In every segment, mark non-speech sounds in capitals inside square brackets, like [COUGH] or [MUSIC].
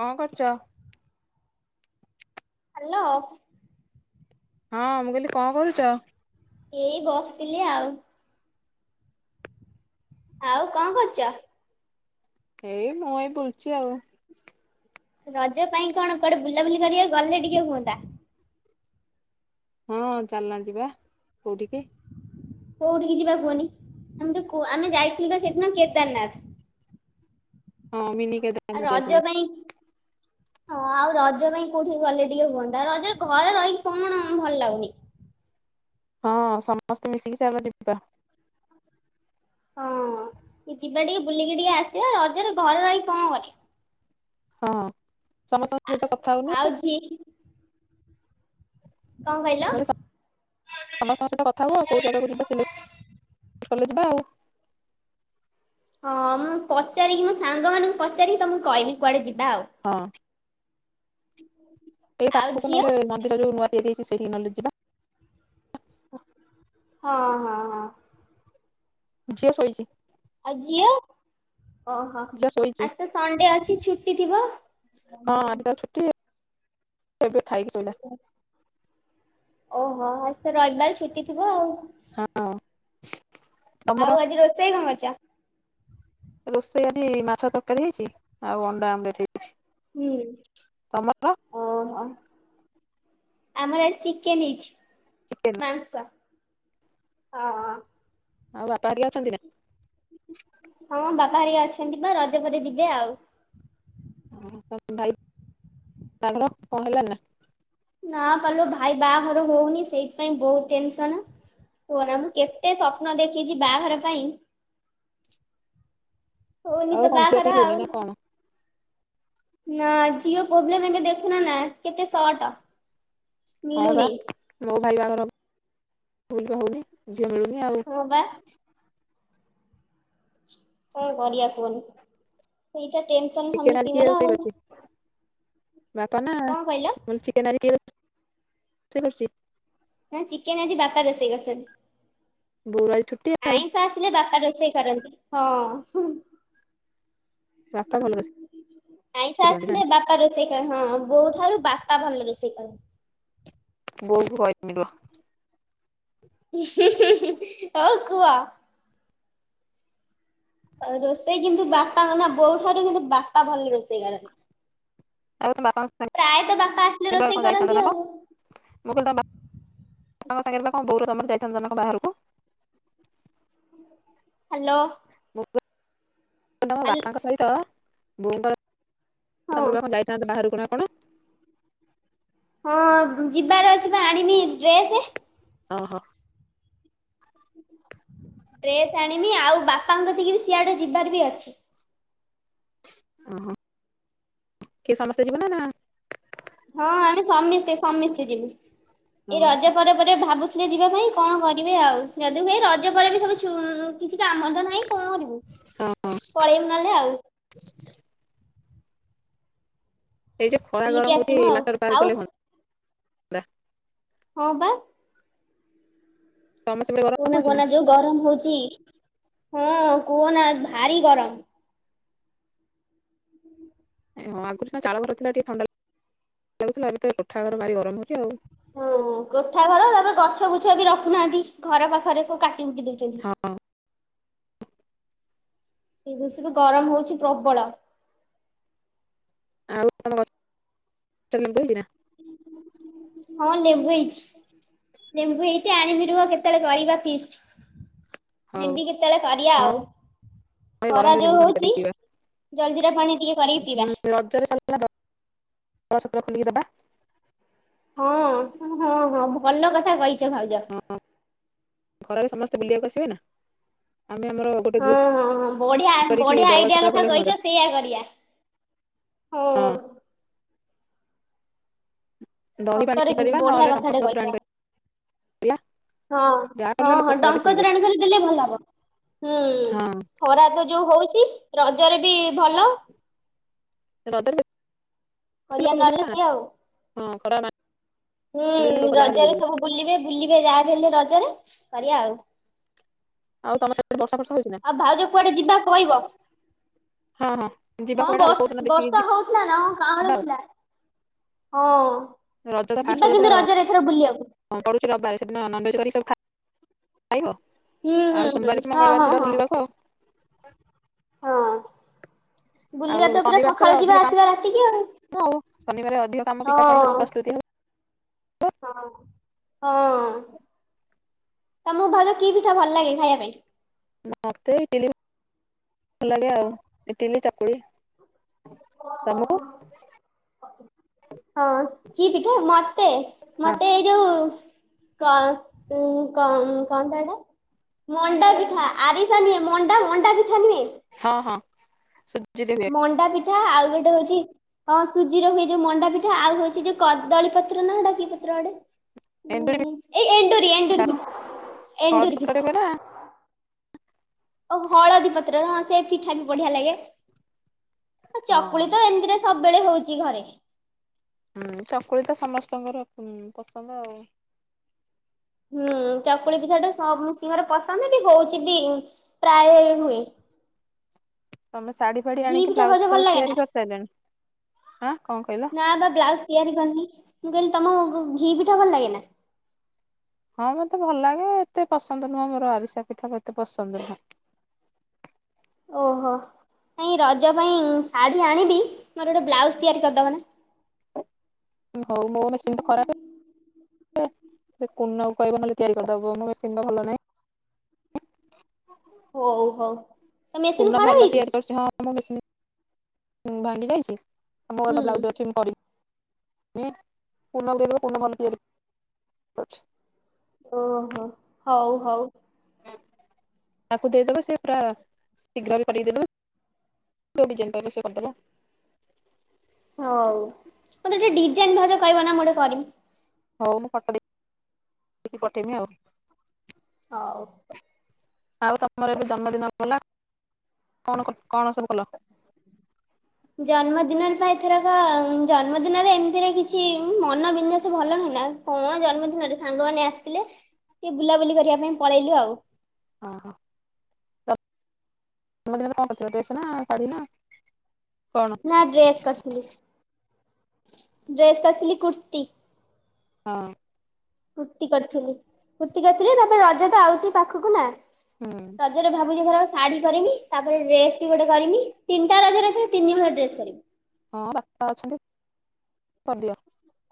କଁ କରୁଚ? ହ୍ୟାଲୋ ହଁ ମୁଁ କହିଲି କଁ କରୁଚ? ଏଇ ବସିଥିଲି ଆଉ ଆଉ କଁ କରୁଚ? ଏଇ ମୁଁ ଏଇ ବୁଲଚି ଆଉ ରଜ ପାଇଁ କଣ କୁଆଡେ ବୁଲାବୁଲି କରିବାକୁ ଗଲେ ଟିକେ ହୁଅନ୍ତା ହଁ ଚାଲୁନ ଯିବା କୋଉଠି କି। କୋଉଠିକି ଯିବା କୁହନି ଆମେ ତ କୁ ଆମେ ଯାଇଥିଲୁ ଯେ ସେଦିନ କେଦାରନାଥ- ହଁ ମିିନି କେଦା- ଆ ରଜ ପାଇଁ- ହଁ ଆଉ ରଜ ପାଇଁ କୋଉଠି ଗଲେ ଟିକେ ହୁଅନ୍ତା ରଜ ଘରେ ରହିକି କଣ ଭଲ ଲାଗୁନି ହଁ ସମସ୍ତେ ମିଶିକି ଚାଲ ଦେଖିବା ହଁ ଯିବା ଟିକେ ବୁଲିକି ଟିକେ ଆସିବା ରଜରେ ଘରେ ରହିି କଣ କରି ହଁ ସମସ୍ତଙ୍କ ସହିତ କଥା ହଉନ ଛିଏ କି କଁ କହିଲ? ସମସ୍ତଙ୍କ ସହିତ କଥା ହୁଅ ଆଉ କୋଉ ଜାଗାକୁ ଯିବା ସିଲେକ୍ଟ କଲେ ଯିବା ଆଉ ହଁ ମୁଁ ପଚାରିକି ମୋ ସାଙ୍ଗ ମାନଙ୍କୁ ପଚାରିକି ତମୁଁକୁ କହିବି କୁଆଡେ ଯିବା ଆଉ ହଁ ଏହି ଆଉ ପାଖକୁ ଝିଅ ନହେଲେ ମନ୍ଦିର ଯୋଉ ନୂଆ ତିଆରି ହୋଇଚି ସେଇଠିକି ନହେଲେ ଯିବା ହଁ ହଁ ହଁ ଝିଅ ଶୋଇଚି ଆଉ ଝିଅ ଓହ ଝିଅ ଶୋଇଛି ଆଜି ତ ସଣ୍ଡେ ଅଛି ଛୁଟି ଥିବ - ହଁ ଆଜି ତ ଛୁଟି, ଏବେ ଖାଇକି ଶୋଇଲା। ହ [INAUDIBLE] ଓହ ଆଜି ତ ରଇବାର ଛୁଟି ଥିବ ଆଉ। [UNINTELLIGIBLE] ଆଉ ଆଜି ରୋଷେଇ କଁ କରିଚ? ରୋଷେଇ ଆଜି ମାଛ ତରକାରୀ ହେଇଚି ଆଉ ଅଣ୍ଡା ଆମଲେଟ ହେଇଚି। ହୁଁ। ଓହ, ଆମର ଆଜି ଚିକେନ ହେଇଚି। ଚିକେନ ମାଂସ, ଅ ହ। ଆଉ ବାପା ହେରିକା ଅଛନ୍ତି ନା? ହଁ ବାପା ହେରିକା ଅଛନ୍ତି ପା ରଜ ପରେ ଯିବେ ଆଉ। [UNINTELLIGIBLE] ଭାଇ [UNINTELLIGIBLE] କଣ ହେଲଣି ନା? ନା ପାଲୋ ଭାଇ ବାହାଘର ହଉନି ସେଇଥିପାଇଁ ବହୁ ଟେନସନ୍। କୁହ ନା ମୁଁ କେତେ ସ୍ୱପ୍ନ ଦେଖିଚି ବାହାଘର ପାଇଁ। [INAUDIBLE] ହଉନି ତ ଆଉ କଣ ଝିଅ ବାହାଘର ଠିକ୍ ଆଉ ହୋଉନି ନା କଣ? ନା ଝିଅ ପ୍ରୋବ୍ଲେମ ଏବେ ଦେଖୁନ ନା କେତେ ସଟ। ହଁ ବା ମୋ ଭାଇ ବାହାଘର ଭୁଲରେ ହଉନି ଝିଅ ମିଳୁନି ଆଉ [UNINTELLIGIBLE] କଣ କରିବା କୁହନି? ସେଇଟା ଟେନସନ ଚିକେନ ଆଜି କିଏ ସମସ୍ତିଙ୍କର ରୋଷେଇ ଆଉ। କରିଛି ବାପା ନା ମୁଁ କଣ କହିଲ କଇଲି ଚିକେନ ଆଜି କିଏ ରୋଷେଇ କରୁଚି? ନା ଚିକେନ ଆଜି ବାପା ରୋଷେଇ କରିଚନ୍ତି। ବୋଉର ଆଜି ଛୁ ଆଇଁଷ ଆସିଲେ ବାପା ରୋଷେଇ କରନ୍ତି ହଁ। ବାପା ଭଲ ରୋଷେଇ ଆଇଁସ କରନ୍ତି ଆସିଲେ ନା ବାପା ରୋଷେଇ କର ହଁ ବୋଉ ଠାରୁ ବାପା ଭଲ ରୋଷେଇ କରନ୍ତି। ବୋଉ କୁ କଇଦେମୀ ରୁଅ। ହୋଉ କୁଅ। ରୋଷେଇ କିନ୍ତୁ ବାପା କ ନା ବୋଉ ଠାରୁ କିନ୍ତୁ ବାପା ଭଲରେ ରୋଷେଇ କରନ୍ତି। ଆଉ ବାପଙ୍କ ପ୍ରାୟତଃ ବାପା ଆସିଲେ ରୋଷେଇ [UNINTELLIGIBLE] ଯାଇଥାନ୍ତ କରନ୍ତି ନା ଆଉ କ? ମୁଁ କହିଲି ତମ ବାପାଙ୍କ ସାଙ୍ଗରେ ବା କଣ ବହୁ ତମର ଯାଇଥାନ୍ତ ନାଁ କଁ ବାହାରକୁ? ହାଲୋ। ତ ହାଲ ବାପାଙ୍କ ସହିତ ଭୁଉଙ୍କର ହଁ [UNINTELLIGIBLE] [UNINTELLIGIBLE] ହଁ ଯିବାର ଅଛି ପା ଆଣିମି ଡ୍ରେସେ। ଓହୋ। ଡ୍ରେସ୍ ଆଣିମି ଆଉ ବାପାଙ୍କକତିକି ବି ସିଆଡେ ଯିବାର ବି ଅଛି। ଓହୋ। କିଏ ସମସ୍ତେ ଯିବ ନା ନା ହଁ ଆମେ ସମିସ୍ତେ ସମିସ୍ତେ ଯିମୁଁ। ହଁ ଏଇ ରଜ ପରେ ପରେ ଭାବୁଥିଲେ ଯିବା ପାଇଁ କଣ କରିବେ ଆଉ ଯଦି ହୁଏ ରଜ ପରେ ବି ସବୁ ଛୁ କିଛି କାମ ତ ନାହିଁ କଣ କରିବୁ ହଁ ପଳେଇବୁ ନହେଲେ ଆଉ [UNINTELLIGIBLE] ସେଇ ଯେ ଖଳା ବୁଲିକି ଗରମ ହଉଚି ଆସିମୁ ଆଉ ୱାଟର ପାର୍କ ଆଉ ଗଲେ [UNINTELLIGIBLE] ହଁ ପା। ତମ ସେପଟେ ଗରମ କୁହନା ହଉଛି ନା? କୁହନା ଯୋଉ ଗରମ ହଉଚି। ହଁ କୁହନା ଭାରି ଗରମ। ହଁ ଆଗରୁ ସିନା ଚାଳ ଘର ଥିଲା ଟିକିେ ଥଣ୍ଡା ଲ ଲଥିଲା ଏବେ ତ ଟୋଠା ଘର ଭାରି ଗରମ ହେଉଚି ଆଉ। ହଁ କୋଠା ଘର ତାପରେ ଗଛ ଗୁଛ ବି ରଖୁନାହାନ୍ତି ଘର ପାଖରେ ସବୁ କା ହଁ। ଏ ବର୍ଷରୁ ଗରମ ହଉଚି ପ୍ରବଳ। [UNINTELLIGIBLE] ହଁ ଲେମ୍ବୁ ହେଇଚି। ଲେମ୍ବୁ ହେଇଚି ଆଣିମି ରୁହ କେତେବେଳେ କରିବା ଫିଷ୍ଟ୍। ହଉ ନେମ୍ବି କେତେବେଳେ କରିବା ହଁ ଆଉ। ଖରା ଗରମରେ ଯୋଉ ଲେମ୍ବୁ ପାଣି ହଉଛି କରିକି ଜଲଜିରା ପାଣି ଟିକେ କରିକି ପିଇବା। ପିଇବା। ହୁଁ ରଜରେ [UNINTELLIGIBLE] [UNINTELLIGIBLE] ହଁ ହଁ ହଁ ଭଲ କଥା କହିଚ ଭାଉଜ। ହଁ ଖରାରେ ସମସ୍ତେ ବୁଲିବାକୁ ଆସିବେ ନା ଆମେ ଆମର ଗୋଟେ ହଁ ଗ୍ରୁପ ହଁ ବଢିଆ କରିକି ବଢିଆ ଆଇଡିଆ ଦଳଛତ୍ର କଥା କଲେ ହୁଅନ୍ତା କହିଚ ସେଇଆ କରିବା। ହଁ। ଦହି ସତରେ ପାଣି କିନ୍ତୁ କରିବା ନହେଲେ ବଢିଆ ଟଙ୍କ କଥାଟେ ପତ୍ର ଆଣି କହିଚ। କରିବା ହଁ ଯାହା ହଁ କଲେ ଲୋକ ହଁ ଖରାରେ ଡଙ୍କ ପିଇବେ ତୋରାଣି କରିକି ଦେଲେ ଭଲ ହବ। ହୁଁ ହଁ ଖରା ତ ଯୋଉ ହଉଚି ରଜରେ ବି ଭଲ। ରଜରେ କରିବା ବେଶିଲୋକ ବୁଲିବେ ନହେଲେ ନା ସେ ଆଉ ହଁ ଖରା ନା ହୁଁ ରଜରେ ସବୁ ବୁଲିବେ ବୁଲିବେ ଯାହା ବି ହେଲେ ରଜରେ କରିବା ଆଉ। ଆଉ ତମ ସେପଟେ ବର୍ଷା ଫର୍ଷା ହଉଛି ନା। ଆଉ ଭାଉଜ କୁଆଡେ ଯିବା କଇବ। ହଁ ହଁ ଯିବା ହଁ କୁଆଡେ ଆଉ କୋଉ ଦିନ ବର୍ଷ ଦେଖିକି ବର୍ଷା ହଉଥିଲା ନା ହଁ ଯିବା ଆଉ କାଁଳଉଥିଲା। ହଁ ରଜ ତ ଫାଷ୍ଟ ଯିବା ରଜ କିନ୍ତୁ ତ ରଜରେ ଏଥର ବୁଲିବାକୁ। ହଁ ପଡ଼ୁଛି ରବିବାର ସେଦିନ ନନଭେଜ୍ କରିକି ସବୁ ଖା ଖାଇବ। ହୁଁ ହୁଁ ଆଉ ହୁଁ ସୋମବାର କି ହଁ ମଙ୍ଗଳବାର ହଁ ଯିବା ହଁ ବୁଲିବାକୁ ଆଉ। ହଁ। ବୁଲିବା ଆଉ ତ ପୁରା ଶନିବାର ସଖାଳୁ ଯିବା ଅଧିକ ଆସିବା ରାତିକି ଆଉ କାମ ଆଉ ଶନିବାର ଅଧିକ କାମ ପିଠା ପାଇଁ ସବୁ ହଁ। ପ୍ରସ୍ତୁତି ହଁ ହଁ ତମକୁ ଭାଉଜ କି ପିଠା ଭଲ ଲାଗେ ଖାଇବା ପାଇଁ। ମତେ ଇଟିଲି ଭଲ ଲାଗେ ଆଉ ଇଟଲି ଚକୁଳି। କୁଅ ତମକୁ ହ। ହଁ କି ପିଠା ମତେ ହଁ ମତେ ଏଇ ଯୋଉ କଣ ଉଁ କଣ କଣ ତ ଏଟା ମଣ୍ଡା ପିଠା ଆରିସା ନୁହେଁ ମଣ୍ଡା ମଣ୍ଡା ପିଠା ନୁହେଁ। ହଁ ହଁ ସୁଜିରେ ହୁଏ। ମଣ୍ଡା ପିଠା ଆଉ ଗୋଟେ ହଉଛି ହଁ ସୁଜିରେ ହୁଏ ଯୋଉ ମଣ୍ଡା ପିଠା ଆଉ ହଉଛି ଯୋଉ କଦଳୀ ପତ ପତ୍ର ନା ଏଟା କି ପତ୍ର ଗୋଟେ ଏଣ୍ଡୁରି ଉଁ ଏଇ ଏଣ୍ଡୁରି ପିଠା ଏଣ୍ଡୁରି ପିଠା ହଳଦୀ ଏଣ୍ଡୁରି ପି ପତ୍ରରେ ହୁଏ ନା ଆଉ ହଳଦୀ ପତ୍ର ହଁ ସେ ପିଠା ବି ବଢିଆ ଲାଗେ ଆଉ ହଁ ଚକୁଳି ତ ଏମିତିରେ ସବୁବେଳେ ହଉଛି ଘରେ। ହୁଁ ଚକୁଳି ତ ସମସ୍ତଙ୍କର ଉଁ ପସନ୍ଦ ଆଉ। ହୁଁ ଚକୁଳି ପିଠା ଟା ସମସ୍ତତିଙ୍କର ପସନ୍ଦ ବି ହଉଛି ବି ପ୍ରାୟ ହୁଏ। ତମେ ଶାଢୀ ଫାଢୀ ଘି ଆଣିକି ପିଠା ବ୍ଲାଉଜ ଭାଉଜ ଭଲ ଫ୍ଲାଉଜ ଲାଗେ ନା? ତିଆରି କରିସାରିଲଣି ଆଁ କଣ କହିଲ ନାଁ ବା ବ୍ଲାଉଜ ତିଆରି କରିନି ମୁଁ କହିଲି ତମ ଘି ପିଠା ଭଲ ଲାଗେ ନା। ହଁ ମତେ ଭଲ ଲାଗେ ଏତେ ପସନ୍ଦ ନୁହଁ ମୋର ଆରିସା ପିଠା ଏତେ ପସନ୍ଦ ନୁହଁ। ଓହୋ ଏଇ ରଜ ପାଇଁ ଶାଢ଼ୀ ଆଣିବି ମୋର ଗୋଟେ ବ୍ଲାଉଜ ତିଆରି କରିଦବ ନା। ହଉ ମୋ ମେସିନ ତ ଖରାପେ। ପେ ସେ କୁନାକୁ କହିବ ନହେଲେ ତିଆରି କରିଦବ ମୋ ମେସିନ ତ ଭଲ ନାହିଁ। ହଉ ହଉ ତ ମେସିନ୍ କୁନା ଖରାପ ଭଲ ହେଇଛି ତିଆରି କରୁଛି ହଁ ମୋ ମେସିନି ଉଁ ଭାଙ୍ଗି ଯାଇଛି ଆମ ହୁଁ ଘର ବ୍ଲାଉଜ ଅଛି ମୁଁ କରି ନି କୁନାଲ ଦେଇଦବେ କୁନା ଭଲ ତିଆରି କରଛି। ଓହୋ ହଉ ହଉ। ତାକୁ ଦେଇଦବ ସେ ପୁରା ଶୀଘ୍ର ବି କରିକି ଦେଇଦବ। ଯୋଉ ଡିଜାଇନ୍ ଟା ସିଏ କରିଦବ। ହଉ ମୋତେ ଟିକେ ଡିଜାଇନ୍ ଭାଉଜ କହିବ ନା ମୁଁ ଗୋଟେ କରିମି। ହଉ ମୁଁ ଫୋଟ ଦେଇକି ପଠେଇମି ଆଉ। ହଉ। ଆଉ ତମର ଏବେ ଜନ୍ମଦିନ ଗଲା କଣ କଣ ସବୁ କଲ। ଜନ୍ମଦିନରେ ତ ଏ ଥରକ ଜନ୍ମଦିନରେ ଏମିତିରେ କିଛି ମନ ବିନ୍ଦାସ ଭଲ ନାହିଁ ନା। କଣ ଜନ୍ମଦିନରେ ସାଙ୍ଗମାନେ ଆସିଥିଲେ ଟିକେ ବୁଲାବୁଲି କରିବା ପାଇଁ ପଳେଇଲୁ ଆଉ। ହଁ ହ। ଜନ୍ମ ଦିନରେ କଣ କରିଥିଲ ଡ୍ରେସ ନା ଶାଢ଼ୀ ନା କଣ। ନା ଡ୍ରେସ୍ କରିଥିଲି ଡ୍ରେସ୍ କରିଥିଲି କୁର୍ତ୍ତିୀ। ହଁ। କୁର୍ତି କରିଥିଲି କୁର୍ତ୍ତୀ କରିଥିଲି ତାପରେ ରଜ ତ ଆଉଚି ପାଖୁକୁ ନା। ହଁ। ରଜରେ ଭାବିଛି ଏଥରକ ଶାଢୀ କରିମି ତାପରେ ଡ୍ରେସ୍ ବି ଗୋଟେ କରିମି ତିିଟା ରଜରେ ତିନିହଳ ଡ୍ରେସ୍ କରିବି। ହଁ ବାପା ଅଛନ୍ତି କରିଦିଅ।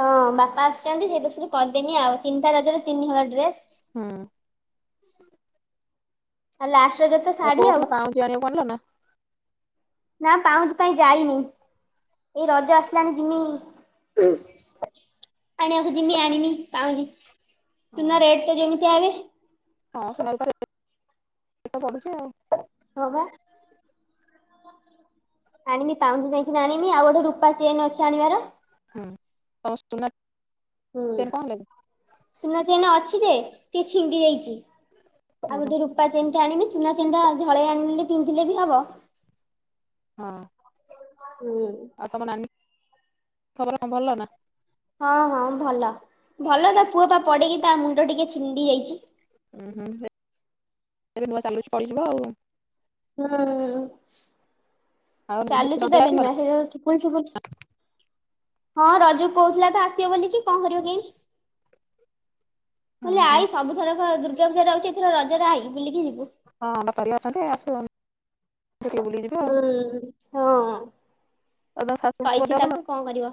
ହଁ ବାପା ଆସିଛନ୍ତି ସେଇଦୋଷରୁ କରିଦେନି ଆଉ ତିନିଟା ରଜରେ ତିନି ହେଳ ଡ୍ରେସ। ହୁଁ। ଆଉ ଲାଷ୍ଟେ ରଜରେ ତଶାଢୀ ଆଉ। ଝିଆ ଣିଆକୁ ଆଣିଲ ନା? ନା ପାଉଁଜି ପାଇଁ ଯାଇନେହିଁ ଏଇ ରଜ ଆସିଲାଣି ଯିମି। ଆଣିବାକୁ ଯିମି ଆଣିମି ପାଉଁଜି ସୁନା ହଁ ରେଟେ ତ ଯେମିତିଆ ଏବେ। ହଁ ସମାଳି ପାରେ ସେତକରୁଚି ଆଉ। ହବା। ଆଣିମି ପାଉଁଜି ଯାଇକିନା ଆଣିମି ଆଉ ଗୋଟେ ରୁ ପା ଚେନେ ଅଛି ଆଣିବାରେ ହୁଁ ତମ ସୁନା ହୁଁ। ଚେନ୍ କଣ ହେଲା କି? ସୁନା ଚେନେ ଅଛି ଯେ ଟିକେ ଛିଣ୍ଡି ଜାଇଚି ଆଉ ଓହୋ ଗୋଟେ ରୁ ରୁପା ଚେନେଟେ ଆଣିମି ସୁନା ଚେନେଟା ଝଳେଇ ଆଣିଲେ ପିନ୍ଧିଲେ ବି ହବ। ହଁ। ହୁଁ। ଆଉ ତମ ନାନୀ ଖବର କଣ ଭଲ ନା? ହଁ ହଁ ଭଲ ଭଲ ତା ପୁଅ ଟା ପଡିକି ତା ମୁଣ୍ଡ ଟିକେ ଛିଣ୍ଡି ଯାଇଚି। ଉହୁଁ ହେ ଏବେ ନୂଆ ଚାଲୁଛି ପଡିଯିବ ଆଉ। ହୁଁ। ଆଉ ଚାଲୁଚି ତ ରଜରେ ଏବେ ଆସିବ ନା? ନୂଆ ହେଇ ଯୋଉ ଠୁକୁଲୁ ଠୁକୁଲୁ। ହଁ ରଜକୁ କହୁଥୁଲା ତ ଆସିବ ବୋଲିିକି କଣ କରିବ କେଜାଣି। ହଁ ହେଲେ ହଁ ଆଇ ସବୁଥରକ ଦୁର୍ଗା ପୂଜାରେ ଆଉଚୁ ଏଥର ରଜରେ ଆଇ ବୁଲିକି ଯିବୁ। ହଁ ବାପା ହେରିକା ଅଛନ୍ତି ଆସୁ ବୁଲି ବୁଲିକି ଯିବୁ। ହୁଁ ହଁ ଆଉ ତମ ଶାଶୁଙ୍କ ପାଇଚି ଦେହ ଭଲ? ତାକୁ। କଣ କରିବ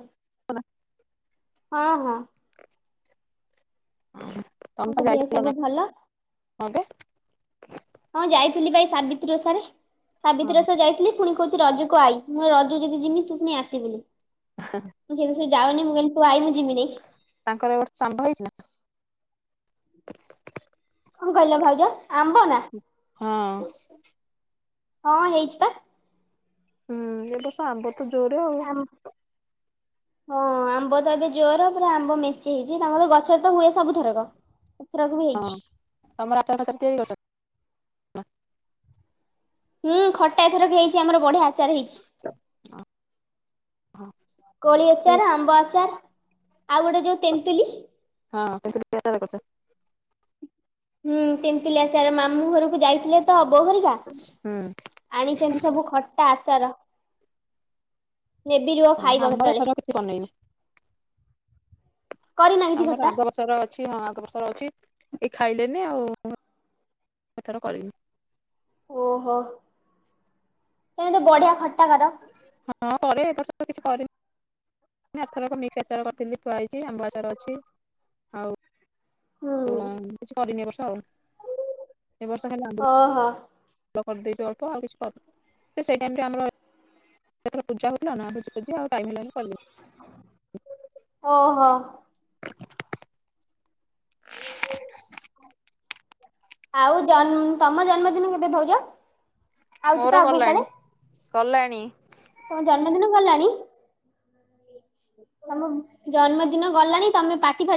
ହଁ ହଁ। ହଁ ତମେପା ତାଙ୍କ ଦେହ ଯାଇଥିଲ ସବୁ ନାଁ ଭଲ। ହଁ ପା। ହଁ ଯାଇଥିଲି ପା ଏଇ ସାବିତ୍ରୀ ଓଷାରେ ହଁ ସାବିତ୍ରୀ ହଁ ଓଷାରେ ଯାଇଥିଲି। ପୁଣି କହୁଚି ରଜକୁ ତୁ ଆଇ ମୁଁ ରଜକୁ ଯେଦି ଜିମି ତୁ ପୁଣି ଆସିବୁନେହିଁ। ମୁଁ ଯାଉନି ମୁଁ କହିଲି ତୁ ଆଇ ମୁଁ ଯିମିନେହିଁ। ତାଙ୍କର ଗୋଟେ ସଣ୍ଢ ହେଇଚି ନା? କଣ କହିଲ ଭାଉଜ ଆମ୍ବ ନା? ହଁ। ହଁ ହେଇଚି ପା। ହୁଁ ଏବର୍ଷ ଆମ୍ବ ତ ଜୋରେ ଆଉ। ଆମ୍ବ ହଁ। ଆମ୍ବ ତ ଏବେ ଜୋର ପୁରା ଆମ୍ବ ମେଞ୍ଚେ ହେଇଚି ତାଙ୍କ ଗଛରେ ତ ହୁଏ ସବୁଥରକ। ଏଥରକ ବି ହଁ ହେଇଛି ତମ [UNINTELLIGIBLE] ହୁଁ ଖଟା ଏଥରକ ହେଇଚି ଆମର ବଢିଆ ଆଚାର ହେଇଚି। ହଁ। କୋଳି ଆଚାର ଆମ୍ବ ଆଚାର ଆଉ ଗୋଟେ ଯୋଉ ତେନ୍ତୁଲି। ହଁ ତେନ୍ତୁଲି କେତୋଳେ କରୁଚ? ହୁଁ ତେନ୍ତୁଲିଆଚାର ମାମୁଁ ଘରକୁ ଯାଇଥିଲେ ତ ବୋଉ ହେରିକା। ହୁଁ ଆଣିଚନ୍ତି ସବୁ ଖଟା ଆଚାର। ନେବି ରୁହ ଓ ଖାଇବ ଆମର କେତେବେଳେ ଏଥର କିଛି ବନେଇନି। କରିନା କିଛି ଆମର ଖଟା ଆଗ ବର୍ଷ୍ ଆଗ ବର୍ଷର ଅଛି, ହଁ ଆଗ ବର୍ଷର ଅଛି, ଏ‌ ଖାଇଲେନି ଆଉ, ଏଥର କରିନି। ଓହୋ, ତମେତ ବଢିଆ ଖଟାକର? ହଁ କରେ, ଏ‌ ବର୍ଷ ତ କିଛି କରିନି। ନାଇଁ ଆରଥରକ ମିକ୍ସ୍ଆଚାର କରିଥିଲି ଥୁଆ ହେଇଚି, ଆମ୍ବଆଚାର ଅଛି, ହୁଁ ଆଉ କିଛି କରିନି ଏବ ବର୍ଷ ଆଉ, ଏ ବର୍ଷ ଖାଲି ଆମ୍ବୁଲ ଓହୋ ବୁଲ କରିଦେଇଚୁ ଅଳ୍ପ, ଆଉ କିଛି କରିନୁ, ତ ସେଇ ଟାଇମ୍ ରେ ଆମର୍, ଯେତେବେଳେ ପୂଜା ହୁଏ ନା ନା ଭୋଜିଫୋଜି ଆଉ ଟାଇମ୍ ହେଲାନି, କଲିନି। ଓହୋ। ଆଉ ଜମ୍, ତମ ଜନ୍ମଦିନ କେବେ ଭାଉଜ? ଆଉଛି ମୋର ପା ଆଗକୁ କାଳେ ଗଲାଣି, ଗଲାଣି। ତମ ଜନ୍ମଦିନ ଗଲାଣି? ତମ ଜନ୍ମଦିନ ଗଲାଣି, ତମେ ପାଟି ଫାଟି